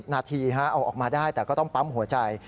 นาทีเอาออกมาได้แต่ก็ต้องปั๊มหัวใจ